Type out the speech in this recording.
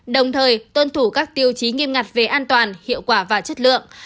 đồng thời tuân thủ các tiêu chí nghiêm ngặt về an toàn hiệu quả và chất lượng